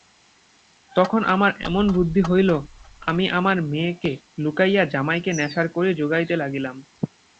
তখন আমার এমন বুদ্ধি হইল আমি আমার মেয়েকে লুকাইয়া জামাইকে নেশার কড়ি জোগাইতে লাগিলাম।